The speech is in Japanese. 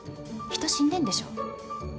人死んでんでしょ？